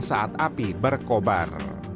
saat api berkobar